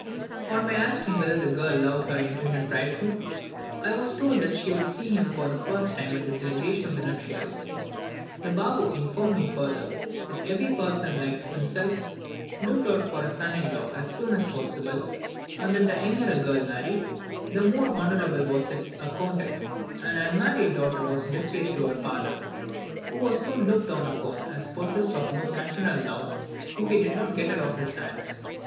On my asking whether the girl loved her intended bridegroom, I was told that she would see him for the first time at the celebration of the nuptials. The Baboo informed me further, that every person like himself looked out for a son in law as soon as possible, and that the younger a girl married the more honourable was it accounted; an unmarried daughter was a disgrace to her father, who was looked upon as possessed of no paternal love if he did not get her off his hands.